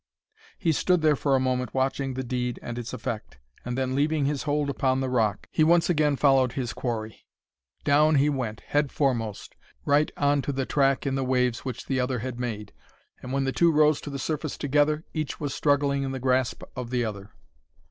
He stood there for a moment watching the deed and its effect, and then leaving his hold upon the rock, he once again followed his quarry. Down he went, head foremost, right on to the track in the waves which the other had made; and when the two rose to the surface together, each was struggling in the grasp of the other.